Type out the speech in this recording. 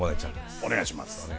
お願いします。